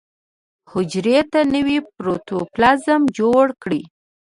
حجرې ته نوی پروتوپلازم جوړ کړي.